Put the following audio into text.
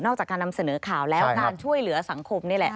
จากการนำเสนอข่าวแล้วการช่วยเหลือสังคมนี่แหละ